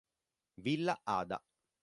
Villa Ada